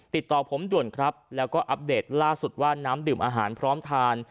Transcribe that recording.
ติดต่อผมด่วนครับแล้วก็อัปเดตล่าสุดว่าน้ำดื่มอาหารพร้อมทาน